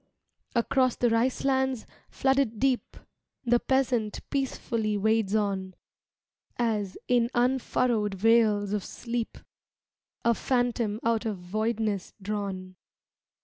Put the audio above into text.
Across the rice lands, flooded deep, The peasant peacefully wades on As, in unfurrowed vales of sleep, A phantom out of voidness drawn.